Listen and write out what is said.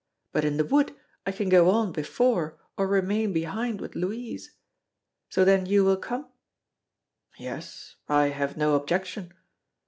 But in the wood I can go on before or remain behind with Louise. So then you will come?" "Yes, I have no objection."